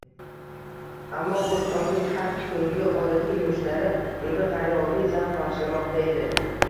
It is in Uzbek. Ammo bu tongning har kungi odatiy yumushlari unga g‘ayrioddiy zavq bag‘ishlamoqda edi.